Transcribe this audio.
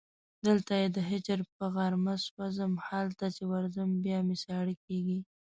دلته یې د هجر په غارمه سوځم هلته چې ورځم بیا مې ساړه کېږي